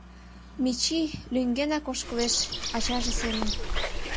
— Мичи лӱҥгенрак ошкылеш, ачаже семын.